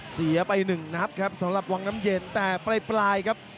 เสียไปหนึ่งนัดครับสำหรับวังน้ำเย็นแต่ปลายครับ